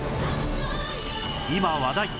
今話題！